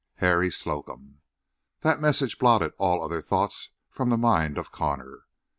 HARRY SLOCUM. That message blotted all other thoughts from the mind of Connor.